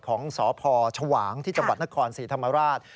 ของสพชวางที่จังหวัดนครศรีธรรมราช